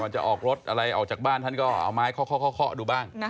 จะออกรถอะไรออกจากบ้านท่านก็เอาไม้เคาะดูบ้าง